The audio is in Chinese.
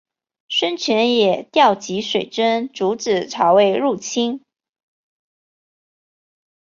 孙权也调集水军阻止曹魏入侵。